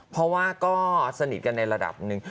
เพราะว่าก็สนิทกันในระดับหนึ่ง